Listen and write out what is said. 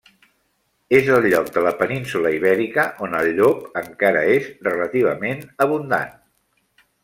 És el lloc de la península Ibèrica on el llop encara és relativament abundant.